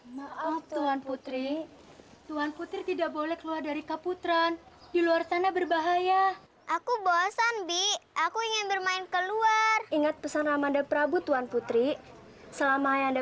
sampai jumpa di video selanjutnya